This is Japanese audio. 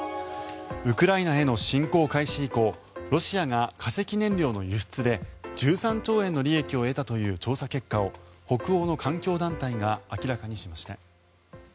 ウクライナへの侵攻開始以降ロシアが化石燃料の輸出で１３兆円の利益を得たという調査結果を北欧の環境団体が明らかにしました。